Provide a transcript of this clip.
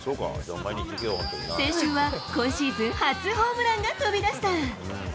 先週は今シーズン初ホームランが飛び出した。